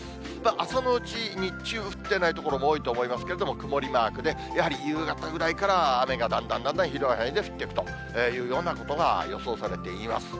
朝のうち、日中降っていない所も多いでしょうけれども、曇りマークで、やはり夕方ぐらいから雨がだんだんだんだん広い範囲で降っていくというようなことが予想されています。